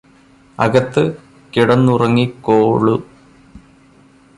അകത്ത് കിടന്നുറങ്ങിക്കോളു